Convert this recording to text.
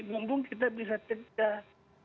mungkung kita bisa tegah